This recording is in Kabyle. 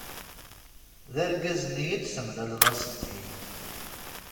D argaz-nni i d-temlaleḍ ass-nni.